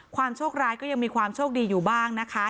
โชคร้ายก็ยังมีความโชคดีอยู่บ้างนะคะ